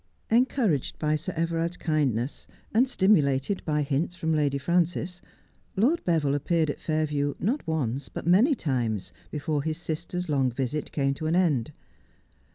Encouraged by Sir Everard's kindness, and stimulated by hints from Lady Frances, Lord Beville appeared at Fairview not once, but many times, before his sister's long visit came to an end.